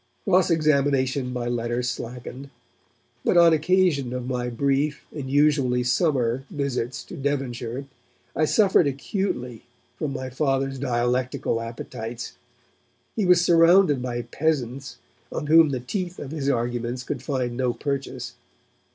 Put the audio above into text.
Cross examination by letter slackened, but on occasion of my brief and usually summer visits to Devonshire I suffered acutely from my Father's dialectical appetites. He was surrounded by peasants, on whom the teeth of his arguments could find no purchase.